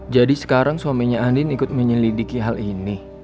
jadi sekarang suaminya andin ikut menyelidiki hal ini